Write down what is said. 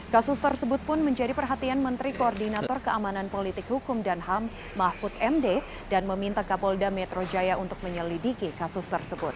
kasus tersebut pun menjadi perhatian menteri koordinator keamanan politik hukum dan ham mahfud md dan meminta kapolda metro jaya untuk menyelidiki kasus tersebut